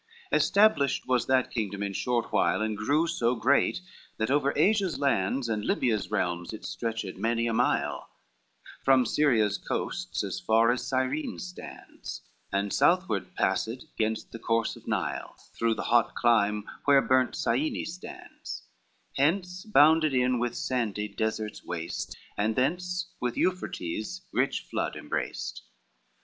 V Established was that kingdom in short while, And grew so great, that over Asia's lands And Lybia's realms it stretched many a mile, From Syria's coasts as far as Cirene sands, And southward passed gainst the course of Nile, Through the hot clime where burnt Syene stands, Hence bounded in with sandy deserts waste, And thence with Euphrates' rich flood embraced.